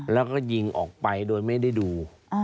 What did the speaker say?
แล้วก็ยิงออกไปโดยไม่ได้ดู